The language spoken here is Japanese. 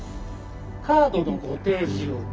カードのご提示を。